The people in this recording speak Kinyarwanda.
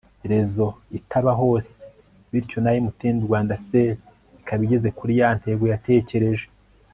reseau itaba hose, bityo na mtn rwanda cell ikaba igeze kuri ya ntego yatekereje